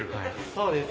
そうです